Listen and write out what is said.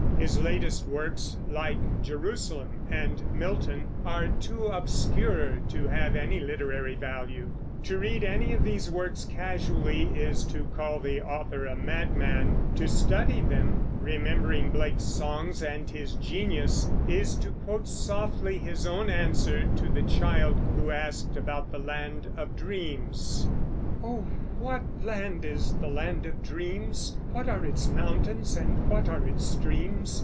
His latest works, like Jerusalem and Milton, are too obscure to have any literary value. To read any of these works casually is to call the author a madman; to study them, remembering Blake's songs and his genius, is to quote softly his own answer to the child who asked about the land of dreams: "O what land is the land of dreams, What are its mountains and what are its streams?